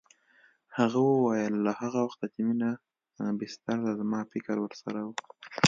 هغه وویل له هغه وخته چې مينه بستر ده زما فکر ورسره و